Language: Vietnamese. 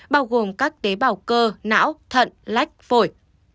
bao gồm các tế bào cơ não thận lách phổi